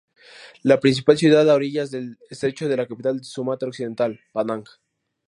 La principal ciudad a orillas del estrecho es la capital de Sumatra Occidental, Padang.